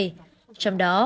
trong đó họ nói rằng